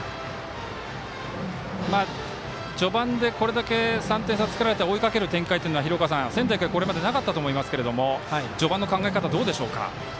序盤で、これだけ３点差をつけられて追いかける展開は仙台育英はこれまでなかったと思いますけど序盤の考え方、どうでしょうか。